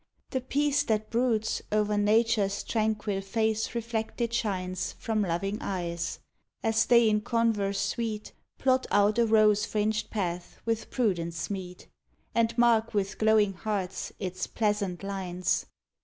The peace that broods O'er Nature's tranquil face reflected shines From loving eyes, as they in converse sweet Plot out a rose fringed path with prudence meet, And mark with glowing hearts its "pleasant lines."